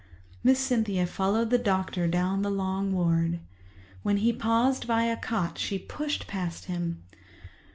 Miss Cynthia followed the doctor down the long ward. When he paused by a cot, she pushed past him.